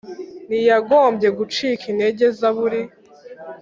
ntiyagombye gucika intege Zaburi